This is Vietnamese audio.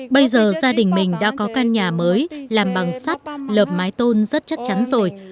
bây giờ gia đình mình đã có căn nhà mới làm bằng sắt lợp mái tôn rất chắc chắn rồi